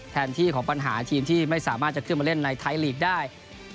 แทนที่ของปัญหาทีมที่ไม่สามารถจะขึ้นมาเล่นในไทยลีกได้